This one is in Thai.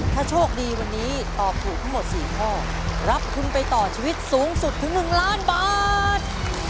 ถ้าโชคดีวันนี้ตอบถูกทั้งหมด๔ข้อรับทุนไปต่อชีวิตสูงสุดถึง๑ล้านบาท